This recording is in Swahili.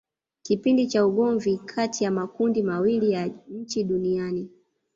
Kipindi cha ugomvi kati ya makundi mawili ya nchi Duniani